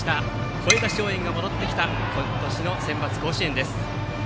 声出し応援が戻ってきた今年のセンバツ甲子園。